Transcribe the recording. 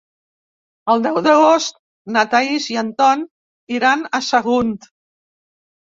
El deu d'agost na Thaís i en Ton iran a Sagunt.